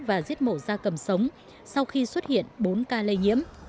và giết mổ da cầm sống sau khi xuất hiện bốn ca lây nhiễm